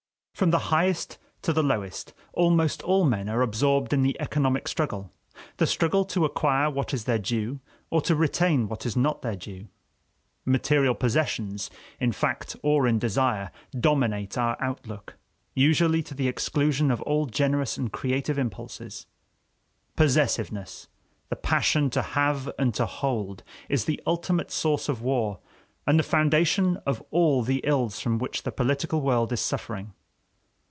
From the highest to the lowest, almost all men are absorbed in the economic struggle: the struggle to acquire what is their due or to retain what is not their due. Material possessions, in fact or in desire, dominate our outlook, usually to the exclusion of all generous and creative impulses. Possessiveness the passion to have and to hold is the ultimate source of war, and the foundation of all the ills from which the political world is suffering.